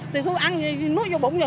thì tôi ăn nuốt vô bụng rồi